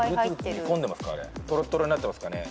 とろとろになってますかね？